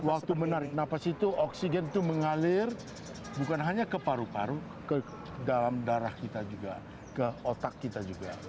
waktu menarik nafas itu oksigen itu mengalir bukan hanya ke paru paru ke dalam darah kita juga ke otak kita juga